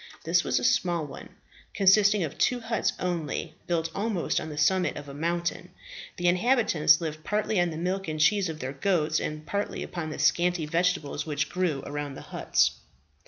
This was a small one, consisting of two huts only, built almost on the summit of a mountain, the inhabitants living partly on the milk and cheese of their goats, and partly upon the scanty vegetables which grew around the huts.